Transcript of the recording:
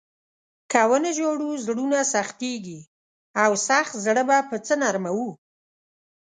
که و نه ژاړو، زړونه سختېږي او سخت زړونه به په څه نرموو؟